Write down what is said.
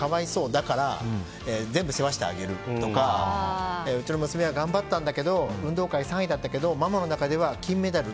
だから全部世話してあげるとかうちの娘は頑張ったんだけど運動会３位だけどママの中では金メダル。